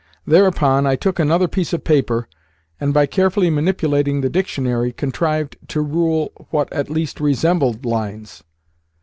Thereupon I took another piece of paper, and, by carefully manipulating the dictionary, contrived to rule what at least RESEMBLED lines.